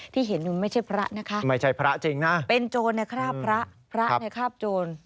ที่เห็นอยู่ไม่ใช่พระนะคะเป็นโจรนะครับพระพระนะครับโจร